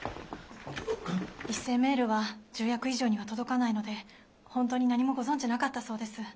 一斉メールは重役以上には届かないので本当に何もご存じなかったそうです。